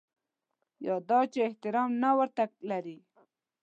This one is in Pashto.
یا دا چې احترام نه ورته لري.